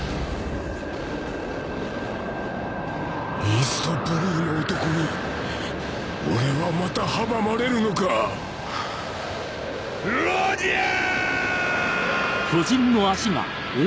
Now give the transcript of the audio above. イーストブルーの男に俺はまた阻まれるのかロジャーッ！